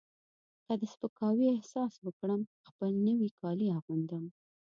که د سپکاوي احساس وکړم خپل نوي کالي اغوندم.